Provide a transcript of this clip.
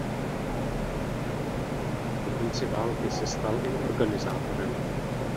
Po konci války se stal i organizátorem.